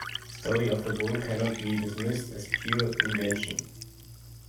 The story of the bull cannot be dismissed as pure invention.